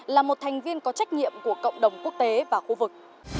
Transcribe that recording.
là một thành viên có trách nhiệm của cộng đồng quốc tế và khu vực